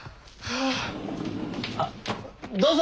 ・あどうぞ！